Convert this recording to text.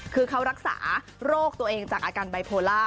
คือเขารักษาโรคตัวเองจากอาการไบโพล่า